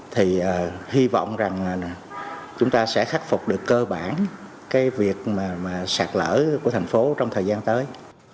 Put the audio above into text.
thì hy vọng rằng chúng ta sẽ khắc phục được cơ bản cái việc sạc lỡ của thành phố trong thời gian tới